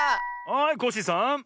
はいコッシーさん。